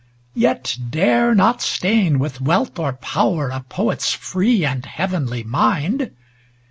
Yet dare not stain with wealth or power A poet's free and heavenly mind.